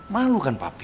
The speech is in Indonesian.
malu kan papi